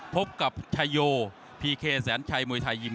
พบกับชายโยพีเคแสนชัยมวยไทยยิม